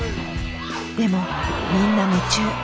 でもみんな夢中。